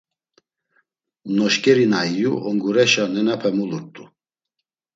Noşǩeri na iyu ongureşa nenape mulurt̆u.